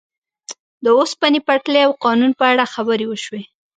د اوسپنې پټلۍ او قانون په اړه خبرې وشوې.